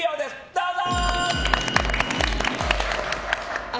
どうぞ。